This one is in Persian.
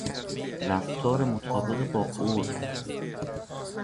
رفتار مطابق با عرف